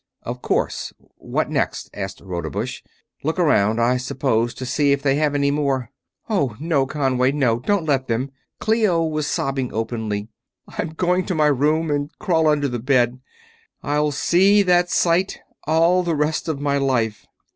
"Of course ... what next?" asked Rodebush. "Look around, I suppose, to see if they have any more...." "Oh, no, Conway no! Don't let them!" Clio was sobbing openly. "I'm going to my room and crawl under the bed I'll see that sight all the rest of my life!"